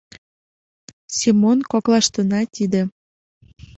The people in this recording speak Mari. — Семон, коклаштына тиде...